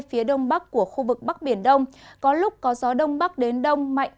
phía đông bắc của khu vực bắc biển đông có lúc có gió đông bắc đến đông mạnh